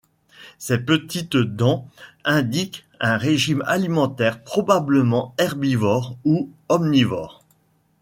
Ces petites dents indiquent un régime alimentaire probablement herbivore ou omnivore.